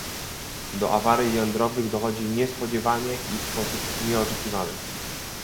Do awarii jądrowych dochodzi niespodziewanie i w sposób nieoczekiwany